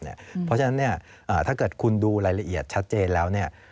เพราะฉะนั้นเนี่ยถ้าเกิดคุณดูรายละเอียดชัดเจนแล้วเนี่ย